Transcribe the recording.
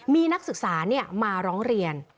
มีนักศึกษามาร้องเรียน